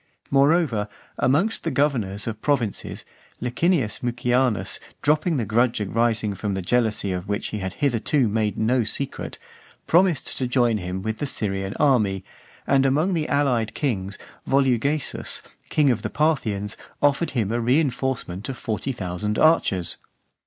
Moreover, amongst the governors of provinces, Licinius Mucianus dropping the grudge arising from a jealousy of which he had hitherto made no secret, promised to join him with the Syrian army, and, among the allied kings, Volugesus, king of the Parthians, offered him a reinforcement of forty thousand archers.